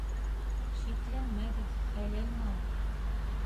Шикләнмәгеҙ, хәләл мал.